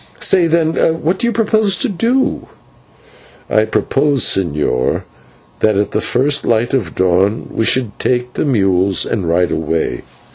Say, then, what do you propose to do?" "I propose, señor, that at the first light of dawn we should take the mules and ride away.